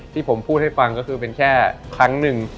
ที่ผมพูดให้ฟังก็คือเป็นแค่ครั้งหนึ่ง